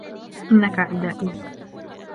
إنك عدائي